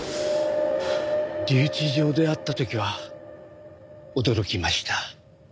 留置場で会った時は驚きました。